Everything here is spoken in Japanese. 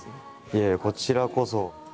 いえいえこちらこそ。